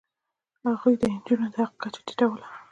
هغوی د نجونو د حق کچه ټیټوله.